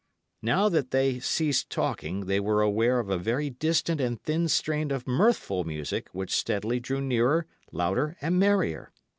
Now that they ceased talking, they were aware of a very distant and thin strain of mirthful music which steadily drew nearer, louder, and merrier.